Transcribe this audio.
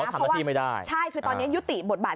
เค้าถามหน้าทีไม่ได้ใช่ตอนเนี้ยยุติบทบาท